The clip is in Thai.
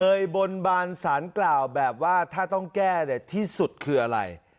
บนบานสารกล่าวแบบว่าถ้าต้องแก้เนี่ยที่สุดคืออะไร